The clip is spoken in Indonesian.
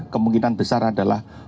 kemungkinan besar adalah